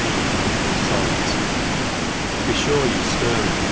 im and a littje fait, be fure you ftir it whea